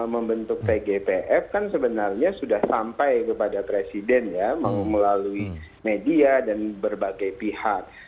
membentuk tgpf kan sebenarnya sudah sampai kepada presiden ya mau melalui media dan berbagai pihak